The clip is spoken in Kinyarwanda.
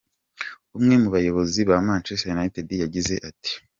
Umwe mu bayobozi ba Manchester United yagize ati:.